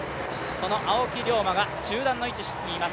この青木涼真が中団の位置にいます。